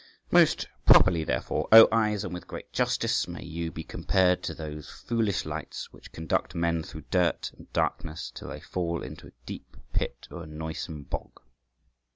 Most properly, therefore, O eyes, and with great justice, may you be compared to those foolish lights which conduct men through dirt and darkness till they fall into a deep pit or a noisome bog."